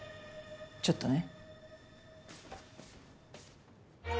ちょっとね。